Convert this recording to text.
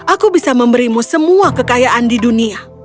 aku bisa memberimu semua kekayaan di dunia